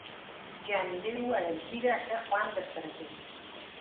جميلې وويل:، ږیره ښه خوند در سره کوي.